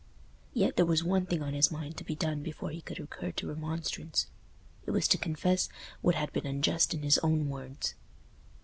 Yet there was one thing on his mind to be done before he could recur to remonstrance: it was to confess what had been unjust in his own words.